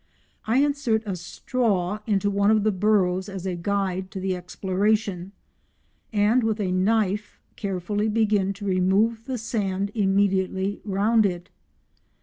I insert a straw into one of the burrows as a guide to the exploration, and with a knife carefully begin to remove the sand immediately round it.